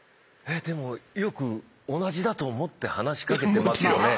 えっでもよく同じだと思って話しかけてますよね。